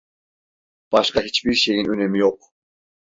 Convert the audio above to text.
Başka hiçbir şeyin önemi yok.